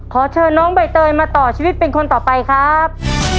ขอเชิญน้องใบเตยมาต่อชีวิตเป็นคนต่อไปครับ